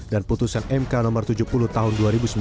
dan putusan mk nomor tujuh puluh tahun dua ribu sembilan belas